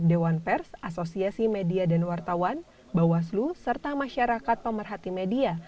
dewan pers asosiasi media dan wartawan bawaslu serta masyarakat pemerhati media